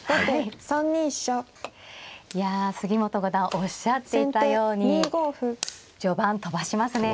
いや杉本五段おっしゃっていたように序盤飛ばしますね。